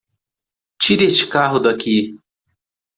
Tire este carro daqui!